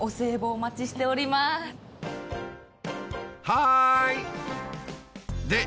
はい！